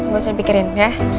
gak usah dipikirin ya